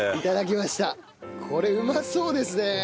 これうまそうですね！